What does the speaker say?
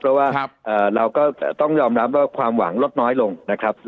เพราะว่าเราก็ต้องยอมรับว่าความหวังลดน้อยลงนะครับ